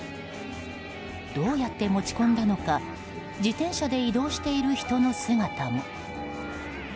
どうやって持ち込んだのか自転車で移動している人の姿も。